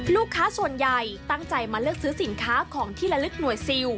ลูกค้าส่วนใหญ่ตั้งใจมาเลือกซื้อสินค้าของที่ละลึกหน่วยซิล